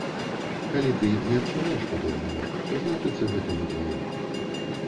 Калі ты не адчуваеш падобнага, значыцца, гэта не тваё.